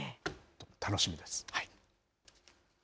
楽しみです。